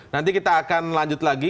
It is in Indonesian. nanti kita akan lanjut lagi